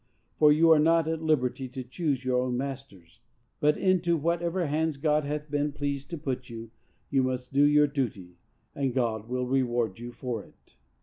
For you are not at liberty to choose your own masters; but into whatever hands God hath been pleased to put you, you must do your duty, and God will reward you for it.